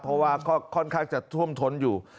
เพราะว่าค่อนข้างจะท่วมท้นอยู่